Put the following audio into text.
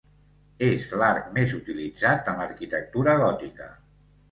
És l'arc més utilitzat en l'arquitectura gòtica.